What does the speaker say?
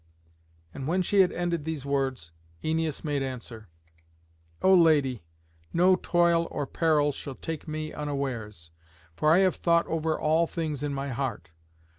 And when she had ended these words, Æneas made answer: "O Lady, no toil or peril shall take me unawares; for I have thought over all things in my heart.